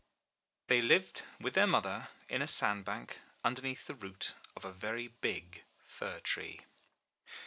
They lived with their mother in a sand bank, under neath the root of a very big fir tree.